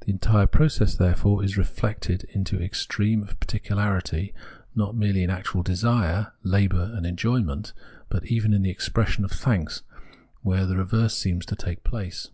The entire process, therefore, is reflected into the extreme of particularity, not merely in actual desire, labour, and enjoyment, but even in the expression of thanks, where the reverse seems to take place.